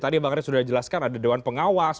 tadi bang rey sudah jelaskan ada dewan pengawas